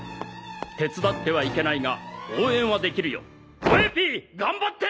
手伝ってはいけないが応援はできるよ。もえＰ頑張って！